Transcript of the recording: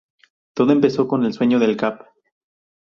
Todo empezó con el sueño del Cap.